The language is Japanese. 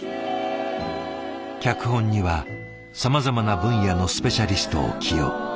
脚本にはさまざまな分野のスペシャリストを起用。